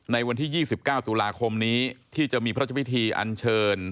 ในวันที่๒๙ตุลาคมนี้ที่จะมีพระราชพิธีอันเชิญ